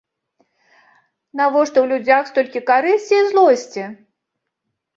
Навошта ў людзях столькі карысці і злосці?